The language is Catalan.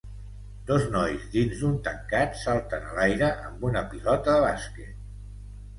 Dos nois dins d'un tancat salten a l'aire amb una pilota bàsquet.